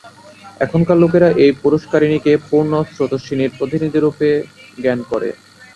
এখনকার লোকেরা এই পূষ্করিণীকে পূর্ণ স্রোতস্বিনীর প্রতিনিধিস্বরূপ জ্ঞান করে।